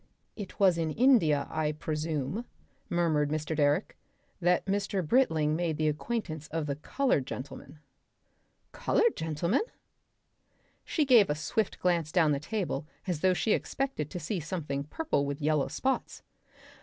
"It was in India, I presume," murmured Mr. Direck, "that Mr. Britling made the acquaintance of the coloured gentleman?" "Coloured gentleman!" She gave a swift glance down the table as though she expected to see something purple with yellow spots.